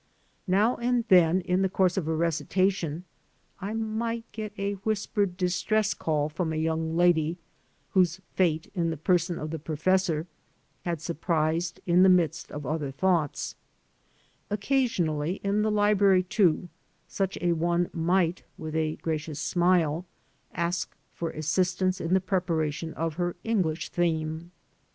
Now and then, in the course of a recitation, I might get a whispered distress call from a young lady whom fate, in the person of the professor, had surprised in the midst of other thoughts ; occasionally in the library, too, such a one might, with a gracious smile, ask for assistance in the preparation of her English theme.